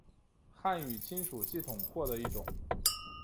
汉语亲属系统或的一种。